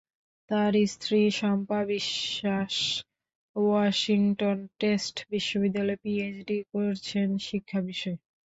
তাঁর স্ত্রী Shampa Biswas Washington state বিশ্ববিদ্যালয়ে পিএইচডি করছেন শিক্ষা বিষয়ে।